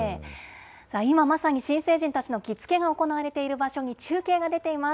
さあ、今まさに新成人たちの着付けが行われている場所に中継が出ています。